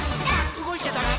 うごいちゃダメ。